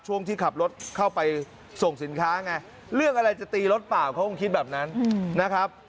ช่วงที่ขับรถเข้าไปส่งสินค้าไงเรื่องอะไรจะตีรถเปล่าเขาคงคิดแบบนั้นนะครับ